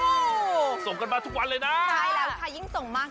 โอ้โหส่งกันมาทุกวันเลยนะใช่แล้วค่ะยิ่งส่งมาก